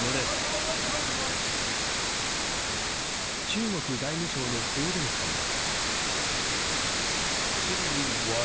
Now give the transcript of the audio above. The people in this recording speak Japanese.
中国外務省の報道官は。